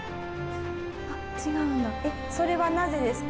あっ、違うんだ。